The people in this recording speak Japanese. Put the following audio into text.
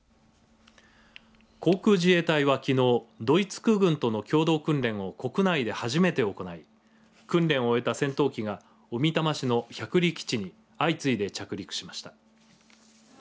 航空自衛隊は、きのうドイツ空軍との共同訓練を国内で初めて行い訓練を終えた戦闘機が小美玉市の百里基地に相次いで着陸しました。